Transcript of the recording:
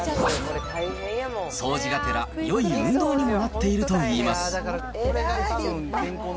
掃除がてらよい運動にもなっているといいます。